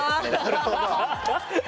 なるほどね。